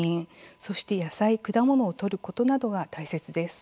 そして野菜、果物をとることなどが大切です。